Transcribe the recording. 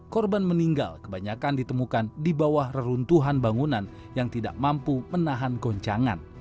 korban meninggal kebanyakan ditemukan di bawah reruntuhan bangunan yang tidak mampu menahan goncangan